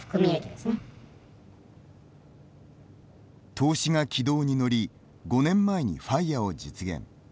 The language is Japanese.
投資が軌道に乗り５年前にＦＩＲＥを実現。